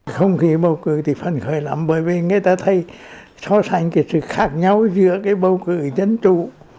không khí bầu cử thì phân khởi lắm bởi vì người ta thấy so sánh cái sự khác nhau giữa cái bầu cử dân chủ